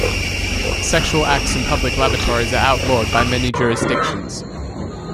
Sexual acts in public lavatories are outlawed by many jurisdictions.